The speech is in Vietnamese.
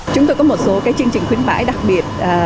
chúng tôi có một số chương trình khuyến mãi đặc biệt